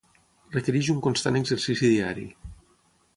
Requereix un constant exercici diari.